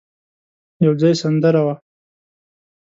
يو ځای سندره وه.